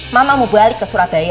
mama mau balik ke surabaya